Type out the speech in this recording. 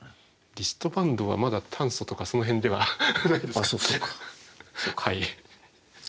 リストバンドはまだ炭素とかその辺ではないですからね。